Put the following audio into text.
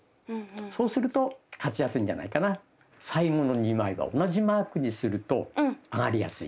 最後の２枚は同じマークにすると上がりやすい。